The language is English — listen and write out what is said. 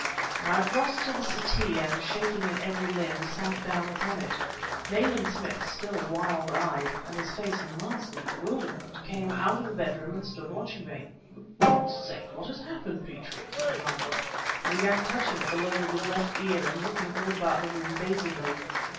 I crossed to the settee, and shaking in every limb, sank down upon it. Nayland Smith, still wild eyed, and his face a mask of bewilderment, came out of the bedroom and stood watching me. "For God's sake what has happened, Petrie?" he demanded, and began clutching at the lobe of his left ear and looking all about the room dazedly.